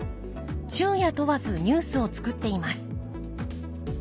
昼夜問わずニュースを作っています。